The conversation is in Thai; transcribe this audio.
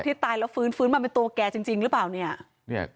ที่ตายแล้วฟื้นฟื้นมาเป็นตัวแกจริงจริงหรือเปล่าเนี้ยเนี้ย